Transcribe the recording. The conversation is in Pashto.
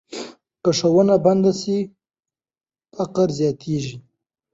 که ښوونه بنده سي، فقر زیاتېږي.